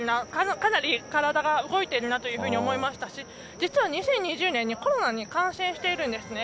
かなり体が動いているなと思いましたし実は２０２０年にコロナに感染してるんですね。